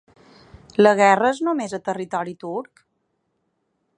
La guerra és només a territori turc?